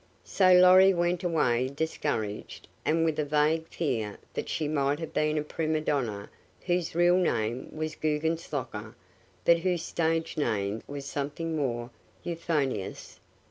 So Lorry went away discouraged and with a vague fear that she might have been a prima donna whose real name was Guggenslocker but whose stage name was something more euphonious.